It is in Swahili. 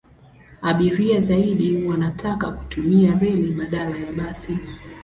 Abiria zaidi wanataka kutumia reli badala ya basi.